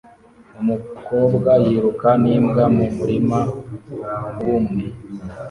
Umukobwa yiruka n'imbwa mu murima wumye